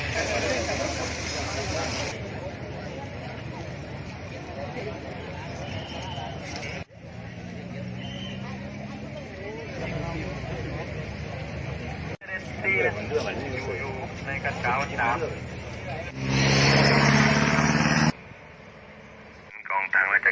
ถ้าเราอยู่ในเกาะหนีใช่แล้ววิชิ